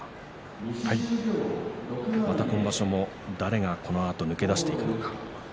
また今場所も誰がこのあと抜け出していくのか。